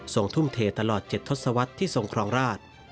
ทุ่มเทตลอด๗ทศวรรษที่ทรงครองราช